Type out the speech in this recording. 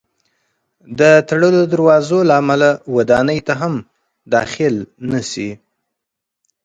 د تړلو دروازو له امله ودانۍ ته هم داخل نه شي.